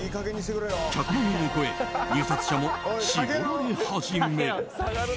１００万円を超え入札者も絞られ始める。